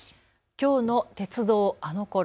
きょうの鉄道あの頃。